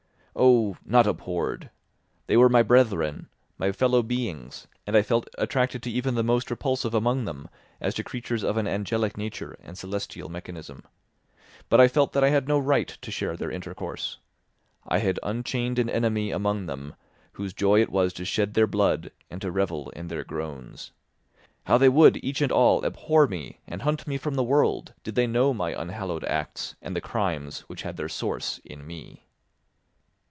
Oh, not abhorred! They were my brethren, my fellow beings, and I felt attracted even to the most repulsive among them, as to creatures of an angelic nature and celestial mechanism. But I felt that I had no right to share their intercourse. I had unchained an enemy among them whose joy it was to shed their blood and to revel in their groans. How they would, each and all, abhor me and hunt me from the world, did they know my unhallowed acts and the crimes which had their source in me!